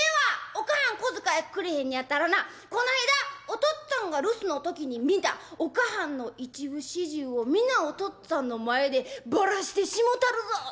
お母はん小遣いくれへんやったらなこの間おとっつぁんが留守の時に見たお母はんの一部始終を皆おとっつぁんの前でバラしてしもうたるぞ』。